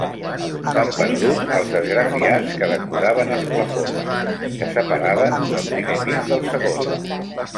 S'han perdut els esgrafiats que decoraven els plafons, que separaven el primer pis del segon.